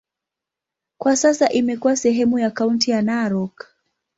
Kwa sasa imekuwa sehemu ya kaunti ya Narok.